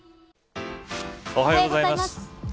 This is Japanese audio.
おはようございます。